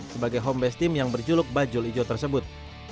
sebagai homebase tim yang berjuluk bajul hijau tersebut